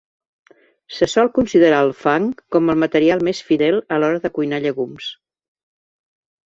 Se sol considerar al fang com el material més fidel a l'hora de cuinar llegums.